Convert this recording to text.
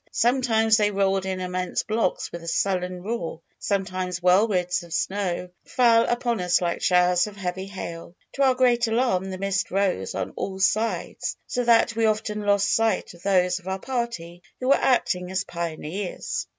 Sometimes they rolled in immense blocks with a sullen roar; sometimes whirlwinds of snow fell upon us like showers of heavy hail. To our great alarm the mist rose on all sides so that we often lost sight of those of our party who were acting as pioneers.